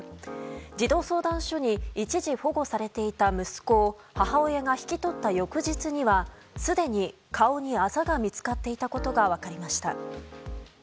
児童相談所に一時保護されていた息子を母親が引き取った翌日にはすでに顔にあざが見つかっていたことが分かりました。